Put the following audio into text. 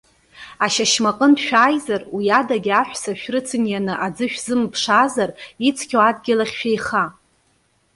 Ашьашьмаҟынтә шәааизар, уи адагьы аҳәса шәрыцынианы аӡы шәзымԥшаазар, ицқьоу адгьыл ахь шәеиха.